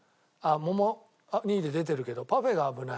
桃２位で出てるけどパフェが危ない。